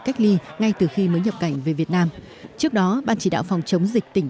cách ly ngay từ khi mới nhập cảnh về việt nam trước đó ban chỉ đạo phòng chống dịch tỉnh